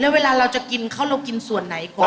แล้วเวลาเราจะกินเขาเรากินส่วนไหนก่อน